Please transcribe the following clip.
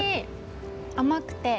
甘くて。